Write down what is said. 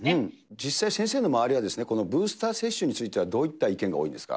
実際先生の周りはブースター接種についてはどういった意見が多いんですか？